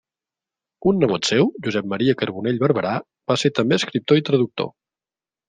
Un nebot seu, Josep Maria Carbonell Barberà, va ser també escriptor i traductor.